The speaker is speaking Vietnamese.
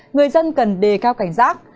người dân cần đề cao cảnh giác